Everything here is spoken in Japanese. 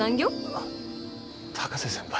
あっ高瀬先輩。